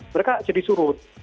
mereka jadi surut